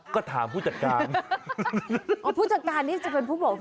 ก็ถามผู้จัดการว่าผู้จัดการนี่จะเป็นผู้บอก